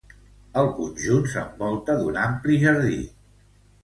El conjunt s'envolta d'un ampli jardí.